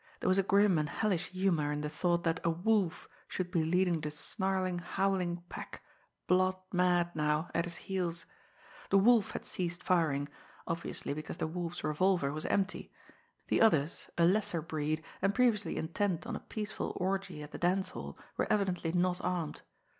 There was grim and hellish humour in the thought that a wolf should be leading the snarling, howling pack, blood mad now, at his heels! The Wolf had ceased firing obviously because the Wolf's revolver was empty. The others, a lesser breed, and previously intent on a peaceful orgy at the dance hall, were evidently not armed.